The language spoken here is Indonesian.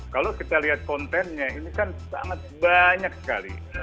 kalau kita lihat kontennya ini kan sangat banyak sekali